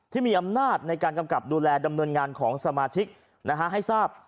ที่มีอำนาจในการกำกับดูแลดำเนินงานของสมาชิกให้ทราบ